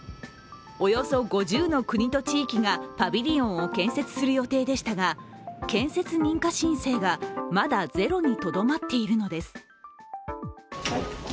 およそ５０の国と地域がパビリオンを建設する予定でしたが、建設認可申請がまだゼロにとどまっているのです。